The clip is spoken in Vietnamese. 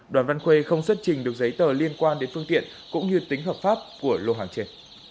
đoàn văn huê không xuất trình được giấy tờ liên quan đến phương tiện cũng như tính hợp pháp của lô hoàng trê